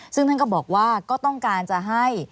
ซึ่งท่านก็บอกว่าก็ต้องการจะให้